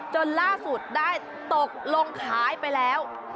จนล่าสุดได้ตกลงขายไปแล้ว